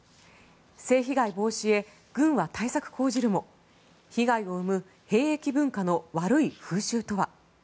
性被害防止へ軍は対策講じるも被害を生む兵営文化の悪い風習とは。